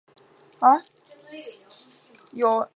位于板桥区南部。